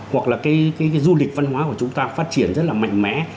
hoặc là cái du lịch văn hóa của chúng ta phát triển rất là mạnh mẽ